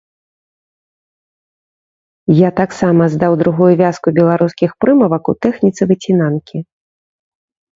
Я таксама здаў другую вязку беларускіх прымавак у тэхніцы выцінанкі.